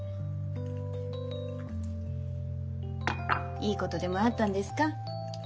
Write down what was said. いいことでもあったんですか？